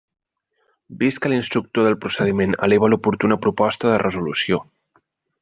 Vist que l'instructor del procediment eleva l'oportuna proposta de resolució.